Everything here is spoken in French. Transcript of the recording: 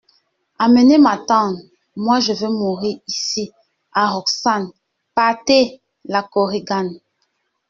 Emmenez ma tante : moi, je veux mourir ici ! (A Roxane.) Partez ! LA KORIGANE.